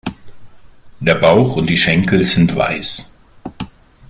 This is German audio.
Der Bauch und die Schenkel sind weiß.